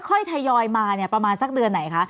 ค่อยทยอยมาประมาณสักเดือนไหนคะ